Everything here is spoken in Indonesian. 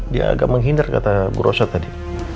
dia agak menghindar kata bu rosa tadi